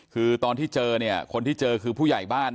คือตอนที่เจอเนี่ยคนที่เจอคือผู้ใหญ่บ้าน